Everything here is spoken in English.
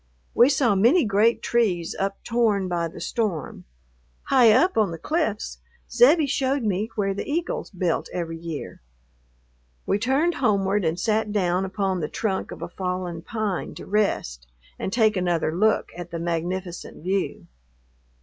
We saw many great trees uptorn by the storm. High up on the cliffs Zebbie showed me where the eagles built every year.... We turned homeward and sat down upon the trunk of a fallen pine to rest and take another look at the magnificent view.